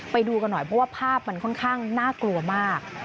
ไปดูกันหน่อยเพราะว่าภาพมันค่อนข้างน่ากลัวมาก